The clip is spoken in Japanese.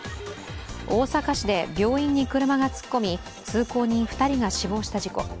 大阪市で病院に車が突っ込み通行人２人が死亡した事故。